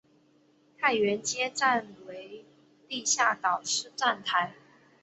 太原街站为地下岛式站台。